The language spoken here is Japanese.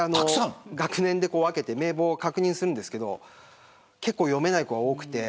学年で分けて名簿を確認するんですが結構読めない子が多くて。